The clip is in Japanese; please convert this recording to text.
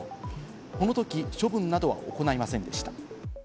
このとき処分などは行いませんでした。